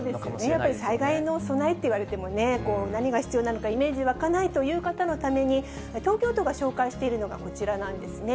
やっぱり災害の備えと言われてもね、何が必要なのかイメージ湧かないという方のために、東京都が紹介しているのが、こちらなんですね。